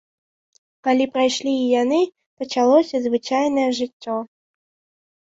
Калі прайшлі і яны, пачалося звычайнае жыццё.